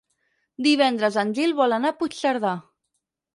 Divendres en Gil vol anar a Puigcerdà.